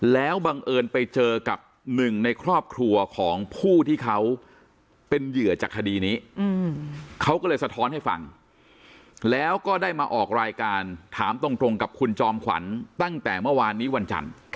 แล้วบังเอิญไปเจอกับหนึ่งในครอบครัวของผู้ที่เขาเป็นเหยื่อจากคดีนี้เขาก็เลยสะท้อนให้ฟังแล้วก็ได้มาออกรายการถามตรงกับคุณจอมขวัญตั้งแต่เมื่อวานนี้วันจันทร์